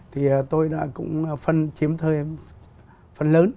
thì tôi đã cũng phân chiếm thời phân lớn